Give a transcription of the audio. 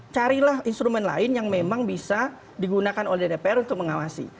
carilah instrumen lain yang memang bisa digunakan oleh dpr untuk mengawasi